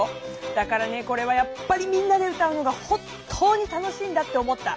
だからこれはやっぱりみんなで歌うのが本当に楽しいんだって思った。